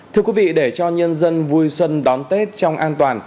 thưa quý vị để cho nhân dân vui xuân đón tết trong an toàn